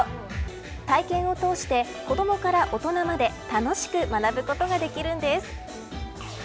体験を通して子どもから大人まで楽しく学ぶことができるんです。